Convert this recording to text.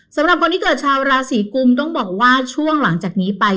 สำหรับคนที่เกิดชาวราศีกุมต้องบอกว่าช่วงหลังจากนี้ไป